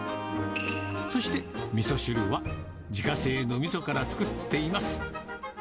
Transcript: そして、みそ汁は自家製のみそから作っています。